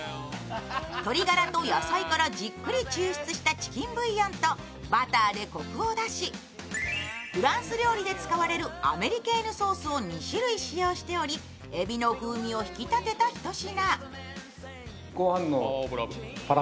鶏ガラと野菜からじっくり抽出したチキンブイヨンと、バターでこくを出し、フランス料理で使われるアメリケーヌソースを２種類使用しており、えびの風味を引き立てた一品。